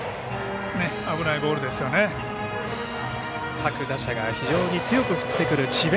各打者が非常に強く振ってくる智弁